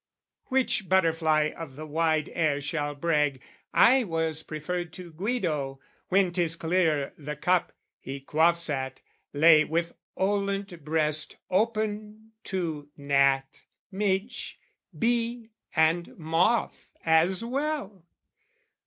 Which butterfly of the wide air shall brag "I was preferred to Guido" when 'tis clear The cup, he quaffs at, lay with olent breast Open to gnat, midge, been and moth as well?